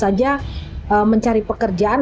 akhirnya dia tentu saja mencari pekerjaan